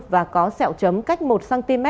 và có sẹo chấm cách một cm